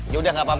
yaudah gak apa apa